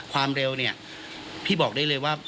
ความเร็วเนี่ยพี่บอกได้เลยว่า